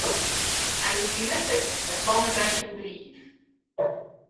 I will be with it as long as I can breathe.